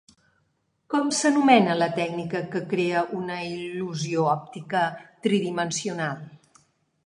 Com s'anomena la tècnica que crea una il·lusió òptica tridimensional?